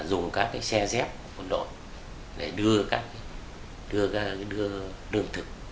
dùng các cái xe dép quân đội để đưa các cái đương thực